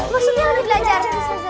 maksudnya lagi belajar